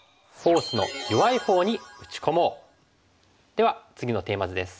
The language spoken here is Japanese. では次のテーマ図です。